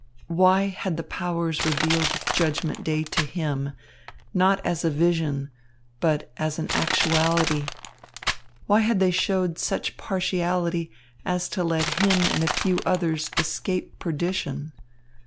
Why had the powers revealed Judgment Day to him, not as a vision, but as an actuality? Why had they showed such partiality as to let him and a few others escape perdition?